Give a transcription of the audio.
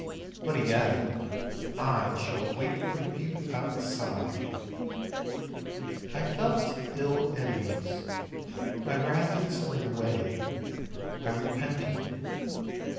But he added: "I shall wait for you outside !" I felt ill at ease; my wrath had simmered away; I repented.